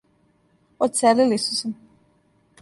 Одселили су се.